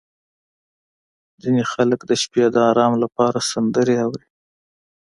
• ځینې خلک د شپې د ارام لپاره سندرې اوري.